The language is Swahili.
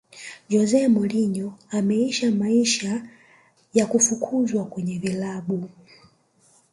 jose mourinho ameisha maisha ya kufukuzwa kwenye vilabu